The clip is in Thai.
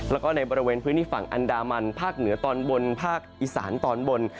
แล้วก็ในบริเวณพื้นที่ฝั่งอันดามันภาคเหนือตอนบนภาคอีสานตอนบน